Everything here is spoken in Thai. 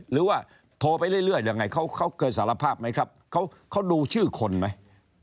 หรือว่าโทรไปเรื่อยยังไงเขาเคยสารภาพไหมครับเขาดูชื่อคนไหม